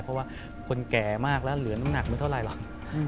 เพราะว่าคนแก่มากแล้วเหลือน้ำหนักไม่เท่าไรหรอก